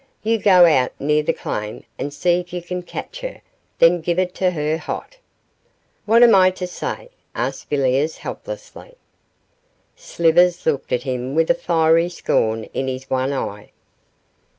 'You go out near the claim, and see if you can catch her; then give it to her hot.' 'What am I to say?' asked Villiers, helplessly. Slivers looked at him with fiery scorn in his one eye.